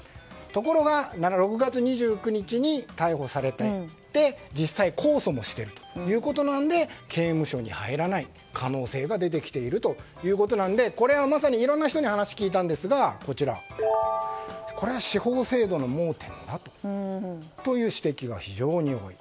ところが６月２９日に逮捕されていて実際に控訴もしているので刑務所に入らない可能性が出てきているということなのでこれはまさにいろんな人に話を聞いたんですがこれは司法制度の盲点だという指摘が非常に多い。